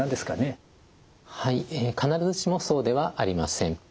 必ずしもそうではありません。